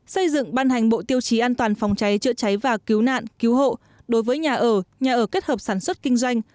xây dựng ban hành bộ tiêu chí an toàn phòng cháy chữa cháy và cứu nạn cứu hộ đối với nhà ở nhà ở kết hợp sản xuất kinh doanh